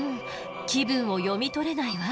気分を読み取れないわ。